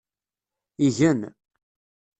Igen.